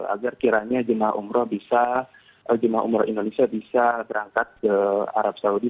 agar kiranya jemaah umroh indonesia bisa berangkat ke arab saudi